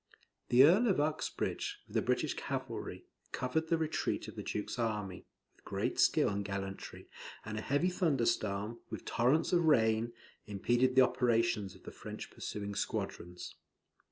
The Earl of Uxbridge, with the British cavalry, covered the retreat of the Duke's army, with great skill and gallantry; and a heavy thunderstorm, with torrents of rain, impeded the operations of the French pursuing squadrons.